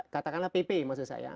katakanlah pp maksud saya